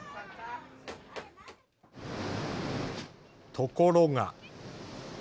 ところが。